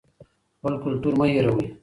خپل کلتور مه هېروئ.